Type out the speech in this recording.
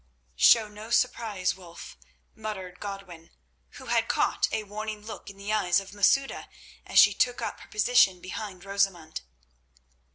"Show no surprise, Wulf," muttered Godwin, who had caught a warning look in the eyes of Masouda as she took up her position behind Rosamund.